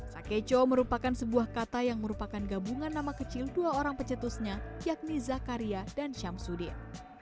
sakeco merupakan sebuah kata yang merupakan gabungan nama kecil dua orang pecetusnya yakni zakaria dan syamsuddin